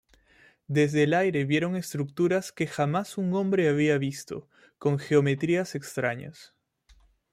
Desde el aire vieron estructuras que jamás un hombre había visto, con geometrías extrañas.